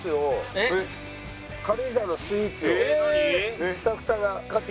軽井沢のスイーツをスタッフさんが買ってきてくれて。